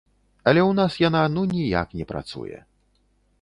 Але ў нас яна ну ніяк не працуе.